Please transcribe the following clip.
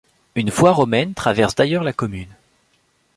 Une voie romaine traverse d'ailleurs la commune.